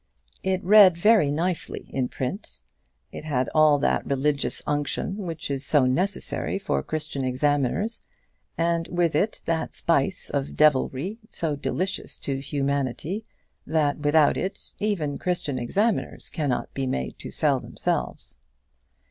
It read very nicely in print. It had all that religious unction which is so necessary for Christian Examiners, and with it that spice of devilry, so delicious to humanity that without it even Christian Examiners cannot be made to sell themselves.